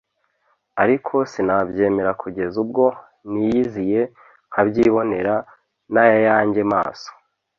Ariko sinabyemera kugeza ubwo niyiziye nkabyibonera n’ayanjye maso